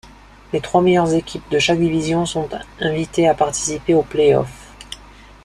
Les trois meilleures équipes de chaque division sont invitées à participer aux playoffs.